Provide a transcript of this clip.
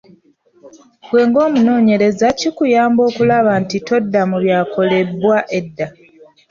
Ggwe ng’omunoonyereza kikuyamba okulaba nti todda mu byakolebwa edda.